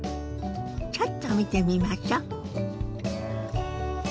ちょっと見てみましょ。